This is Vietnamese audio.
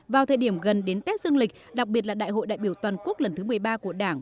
vào thời điểm gần đến tết dương lịch đặc biệt là đại hội đại biểu toàn quốc lần thứ một mươi ba của đảng